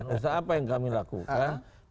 usaha apa yang kami lakukan